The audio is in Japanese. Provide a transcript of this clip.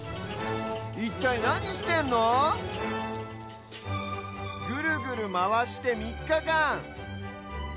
いったいなにしてんの⁉ぐるぐるまわしてみっかかん。